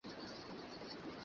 কীভাবে পারলে তুমি?